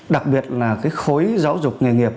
đặc biệt là khối giáo dục nghề nghiệp